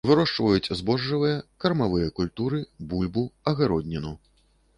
Вырошчваюць збожжавыя, кармавыя культуры, бульбу, агародніну.